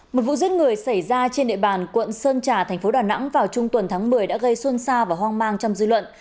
một vụ giết người xảy ra trên địa bàn quận sơn trà thành phố đà nẵng vào trung tuần tháng một mươi đã gây xuân xa và hoang mang trong dư luận